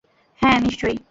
হ্যাঁঁ, নিশ্চয়।